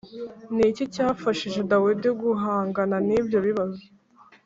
Ni iki cyafashije dawidi guhangana n ibyo bibazo